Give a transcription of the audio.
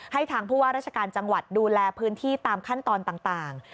ทางผู้ว่าราชการจังหวัดดูแลพื้นที่ตามขั้นตอนต่าง